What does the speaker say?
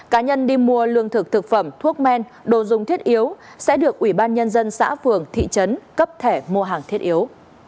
cá nhân đi mua lương thực thực phẩm thuốc men đồ dùng thiết yếu sẽ được ủy ban nhân dân xã phường thị trấn cấp thẻ mua hàng thiết yếu